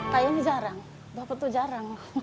kayanya jarang bapak tuh jarang